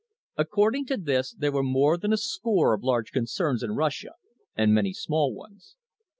According to this there were more than a score of large concerns in Russia, and many small ones.